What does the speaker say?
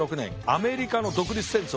アメリカの独立戦争